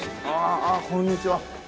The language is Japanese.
ああこんにちは。